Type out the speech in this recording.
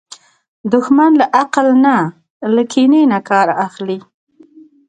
دښمن له عقل نه، له کینې نه کار اخلي